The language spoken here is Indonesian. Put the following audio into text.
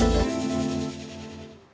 warteg satria kurnia yuniarwan jakarta